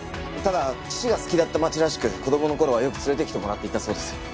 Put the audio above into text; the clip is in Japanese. ただ父が好きだった街らしく子供の頃はよく連れてきてもらっていたそうです。